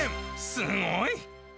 すごい。